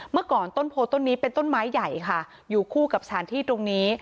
เมื่อก่อนต้นโพต้นนี้เป็นต้นไม้ใหญ่ค่ะอยู่คู่กับสถานที่ตรงนี้